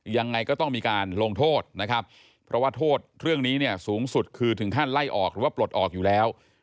ยังไงก็ต้องมีการลงโทษนะครับเพราะว่าโทษเรื่องนี้เนี่ยสูงสุดคือถึงขั้นไล่ออกหรือว่าปลดออกอยู่แล้ว